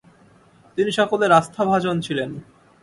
তিনি সকলের আস্থাভাজন ছিলেন।